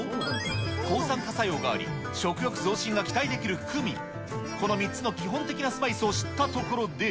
抗酸化作用があり、食用増進が期待できるクミン、この３つの基本的なスパイスを知ったところで。